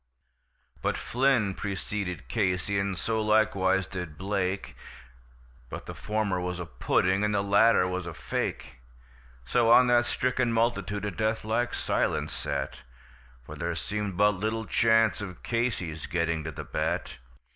But Flynn preceded Casey, and so likewise did Blake, But the former was a pudding, and the latter was a fake; So on that stricken multitude a death like silence sat, For there seemed but little chance of Casey's getting to the bat.